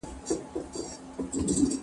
زه هره ورځ ليکلي پاڼي ترتيب کوم،